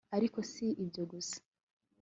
ariko si ibyo gusa